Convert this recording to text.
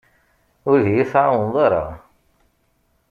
Ur d-iyi-tɛawneḍ ara.